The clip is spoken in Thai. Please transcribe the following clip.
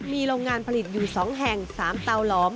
มีโรงงานผลิตอยู่๒แห่ง๓เตาหลอม